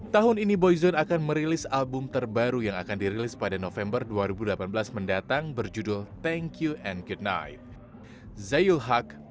tahun ini boyzone akan merilis album terbaru yang akan dirilis pada november dua ribu delapan belas mendatang berjudul thank you and good night